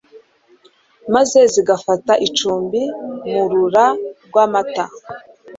maze zigafata icumbi mu mu rura rw'amata